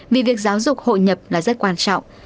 vì việc giáo dục hội nhập là rất quan trọng